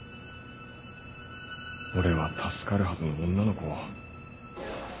俺は助かるはずの女の子を。